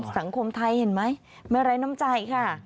สังคมไทยเห็นไหมไม่ไร้น้ำใจค่ะ